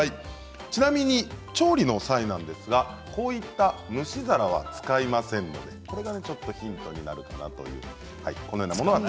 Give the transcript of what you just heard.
ちなみに調理の際なんですが蒸し皿は使いませんのでこれがちょっとヒントになるかなと。